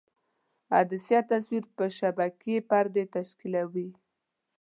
عدسیه تصویر پر شبکیې پردې تشکیولوي.